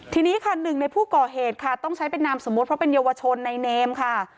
ทีนี้ค่ะหนึ่งในผู้ก่อเหตุค่ะต้องใช้เป็นนามสมมุติเพราะเป็นเยาวชนในเนมค่ะ